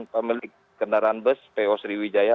pemilik kendaraan bus po sriwijaya